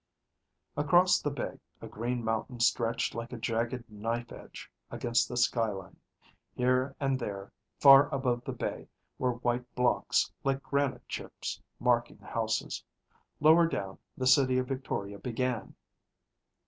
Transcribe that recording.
Across the bay, a green mountain stretched like a jagged knife edge against the sky line. Here and there, far above the bay, were white blocks, like granite chips, marking houses. Lower down, the city of Victoria began.